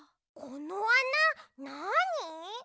このあななに？